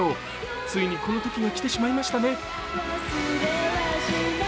ついにこのときが来てしまいましたね。